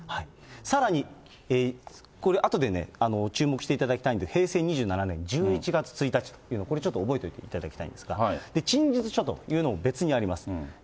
さらに、これあとで注目していただきたいんで、平成２７年１１月１日というのを、これちょっと覚えておいていただきたいんですが、陳述書というのは別にあります。